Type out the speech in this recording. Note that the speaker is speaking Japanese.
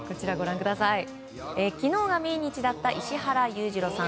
昨日が命日だった石原裕次郎さん。